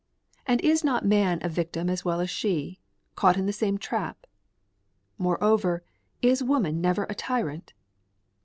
And is not man a victim as well as she caught in the same trap? Moreover, is woman never a tyrant?